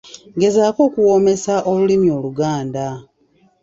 Gezaako okuwoomesa olulimi Oluganda.